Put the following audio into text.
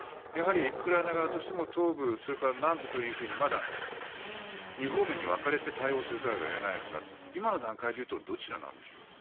ウクライナ側としても東部、それから南部というふうにまだ２方面に分かれて対応せざるを得ないのか今の段階でいうとどちらなんでしょうか？